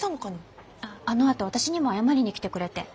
あのあと私にも謝りに来てくれて。